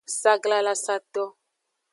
Saglalasato.